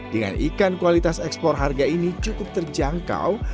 dengan ikan kualitas ekspor harga ini cukup terjangkau